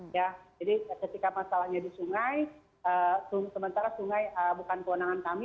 jadi ketika masalahnya di sungai sementara sungai bukan kewenangan kami